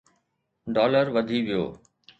dollar وڌي ويو